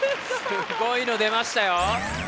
すごいの出ましたよ。